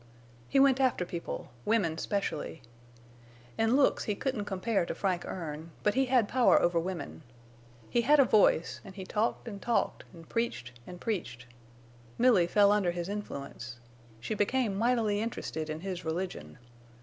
He went after people, women specially. In looks he couldn't compare to Frank Erne, but he had power over women. He had a voice, an' he talked an' talked an' preached an' preached. Milly fell under his influence. She became mightily interested in his religion.